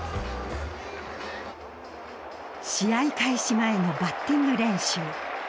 試合開始前のバッティング練習。